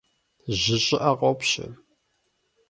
Жьы щӀыӀэ къопщэ.